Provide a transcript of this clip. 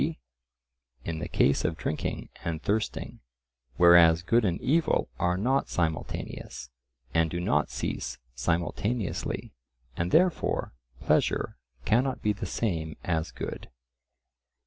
g. in the case of drinking and thirsting, whereas good and evil are not simultaneous, and do not cease simultaneously, and therefore pleasure cannot be the same as good.